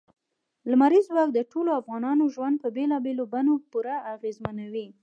لمریز ځواک د ټولو افغانانو ژوند په بېلابېلو بڼو باندې پوره اغېزمنوي.